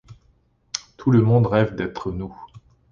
Tout le monde rêve d'être nous.